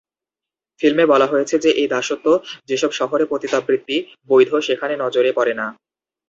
ফিল্মে বলা হয়েছে যে এই দাসত্ব যেসব শহরে পতিতাবৃত্তি বৈধ সেখানে নজরে পড়ে না।